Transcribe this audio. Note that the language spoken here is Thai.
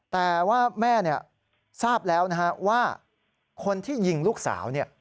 แต่ว่าแม่ทราบแล้วนะฮะว่าคนที่ยิงลูกสาว